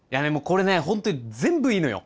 本当に全部いいのよ！